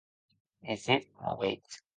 De sèt a ueit.